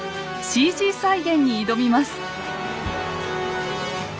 ＣＧ再現に挑みます。